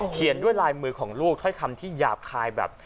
เขียนด้วยลายมือของลูกถ้อยคำที่หยาบคายแบบ